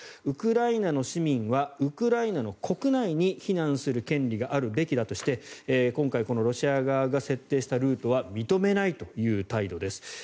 ウクライナの市民はウクライナの国内に避難する権利があるべきだとして今回ロシア側が設定したルートは認めないという態度です。